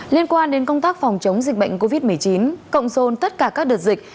liên quan đến công tác phòng chống dịch bệnh covid một mươi chín cộng dồn tất cả các đợt dịch